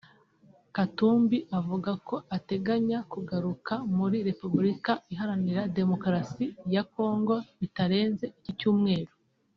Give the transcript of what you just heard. Katumbi avuga ko ateganya kugaruka muri Repubulika Iharanira Demokarasi ya Congo bitarenze iki cyumweru